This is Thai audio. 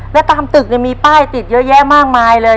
แล้วตามตึกมีป้ายติดเยอะแยะมากมายเลย